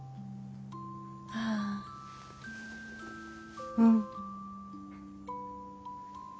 ああうん。